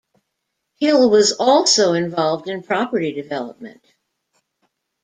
Hill was also involved in property development.